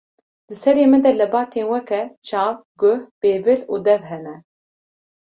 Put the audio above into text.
Di serê me de lebatên weke: çav, guh, bêvil û dev hene.